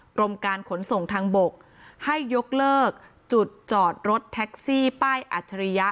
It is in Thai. กรมการขนส่งทางบกให้ยกเลิกจุดจอดรถแท็กซี่ป้ายอัจฉริยะ